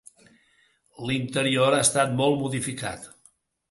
L'interior ha estat molt modificat.